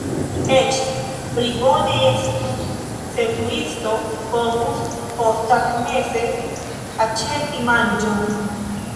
Eĉ pli bone estus, se turisto povus posttagmeze aĉeti manĝon.